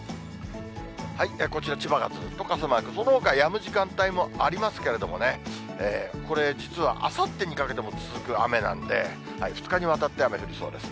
こちら、千葉がずっと傘マーク、そのほか、やむ時間帯もありますけれどもね、これ、実はあさってにかけても続く雨なんで、２日にわたって雨降りそうです。